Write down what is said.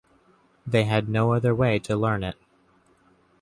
They had no other way to learn it.